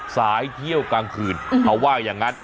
สายเที่ยวกลางคืนเขาว่าอย่างนั้น